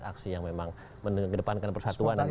aksi yang memang mendepankan persatuan dan persaudaraan